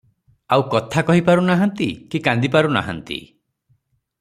ଆଉ କଥା କହି ପାରୁ ନାହାନ୍ତି, କି କାନ୍ଦି ପାରୁ ନାହାନ୍ତି ।